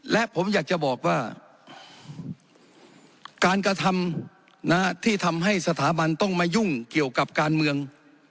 และผมอยากจะบอกว่าการกระทำที่ทำให้สถาบันต้องมายุ่งเกี่ยวกับการเมือง